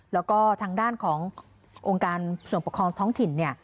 แล้วก็ทางด้านขององค์การส่วนปกครองท้องถิ่นเนี่ย